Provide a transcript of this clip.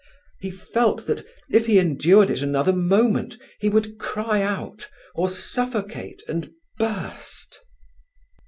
He felt that, if he endured it another moment, he would cry out, or suffocate and burst.